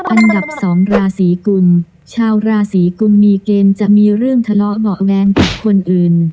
อันดับสองราศีกุมชาวราศีกุมมีเกณฑ์จะมีเรื่องทะเลาะเบาะแว้งกับคนอื่น